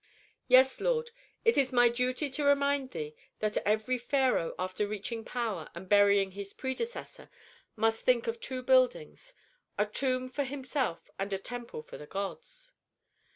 "Yes, lord. It is my duty to remind thee that every pharaoh after reaching power and burying his predecessor must think of two buildings: a tomb for himself and a temple for the gods."